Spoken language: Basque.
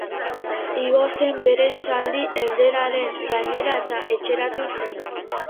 Igo zen bere zaldi ederraren gainera eta etxeratu zen.